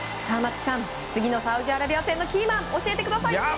次のサウジアラビア戦のキーマンを教えてください。